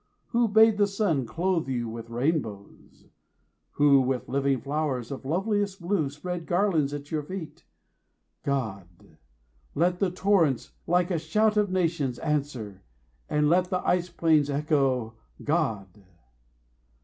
Who bade the sun 55 Clothe you with rainbows? Who, with living flowers Of loveliest blue, spread garlands at your feet? GOD! let the torrents, like a shout of nations, Answer! and let the ice plains echo, GOD!